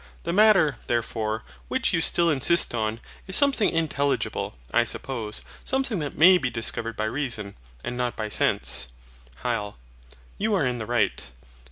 The Matter, therefore, which you still insist on is something intelligible, I suppose; something that may be discovered by reason, and not by sense. HYL. You are in the right.